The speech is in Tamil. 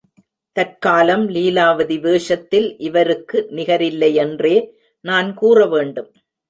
தற்காலம் லீலாவதி வேஷத்தில் இவருக்கு நிகரில்லையென்றே நான் கூறவேண்டும்.